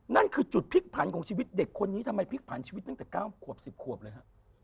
นั่นคือจุดพลิกผันของชีวิตเด็กคนนี้ทำไมพลิกผันชีวิตตั้งแต่๙ขวบ๑๐ขวบเลยฮะ